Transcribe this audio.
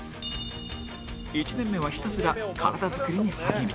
１年目はひたすら体づくりに励み